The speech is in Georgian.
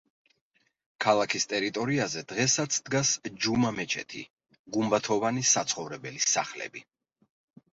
ქალაქის ტერიტორიაზე დღესაც დგას ჯუმა-მეჩეთი, გუმბათოვანი საცხოვრებელი სახლები.